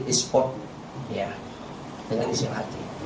jadi dispor ya dengan inisial haji